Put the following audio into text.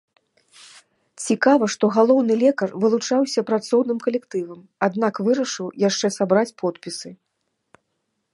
Цікава, што галоўны лекар вылучаўся працоўным калектывам, аднак вырашыў яшчэ сабраць подпісы.